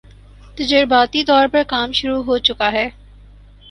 تجرباتی طور پر کام شروع ہو چکا ہے